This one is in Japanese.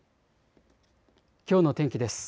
きょうの天気です。